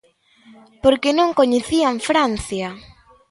Porque non coñecían Francia!